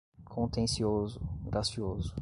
contencioso, gracioso